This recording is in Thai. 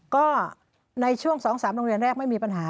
ก็ในช่วง๒๓โรงเรียนแรกไม่มีปัญหา